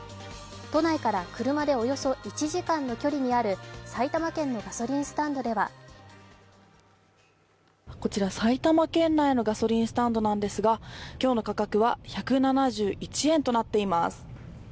都内から車でおよそ１時間の距離にある埼玉県のガソリンスタンドではこちら埼玉県内のガソリンスタンドなんですが、今日の価格は１７１円となっています。